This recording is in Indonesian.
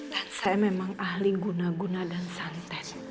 dan saya memang ahli guna guna dan santen